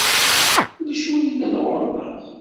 Ulac wi yellan ɣur-neɣ.